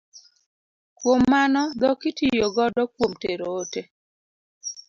Kuom mano dhok itiyo godo kuom tero ote.